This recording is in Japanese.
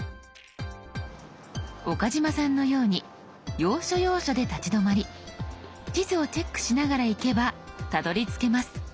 岡嶋さんのように要所要所で立ち止まり地図をチェックしながら行けばたどりつけます。